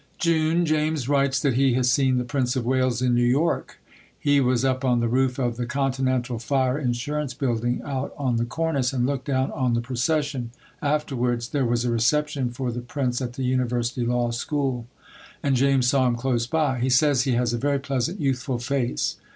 June. James writes that he has seen the Prince of Wales in New York. He was up on the roof of the Continental Fire Insurance building, out on the cornice, and looked down on the procession. Afterwards there was a reception for the Prince at the University Law School and James saw him close by. He says he has a very pleasant youthful face.